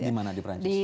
di mana di perancis